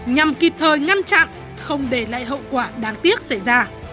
nhằm kịp thời ngăn chặn không để lại hậu quả đáng tiếc xảy ra